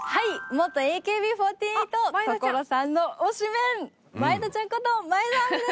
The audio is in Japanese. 元ＡＫＢ４８所さんの推しメン前田ちゃんこと前田亜美です！